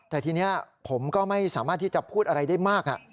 แต่ทีนี้ผมก็ไม่สามารถที่จะพูดอะไรได้มาก